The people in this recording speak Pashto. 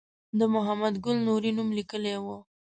د محمد ګل نوري نوم لیکلی و.